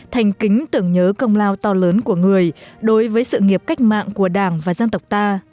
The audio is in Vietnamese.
thành kính tưởng nhớ công lao to lớn của người đối với sự nghiệp cách mạng của đảng và dân tộc ta